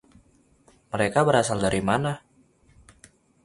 Mereka berasal dari mana?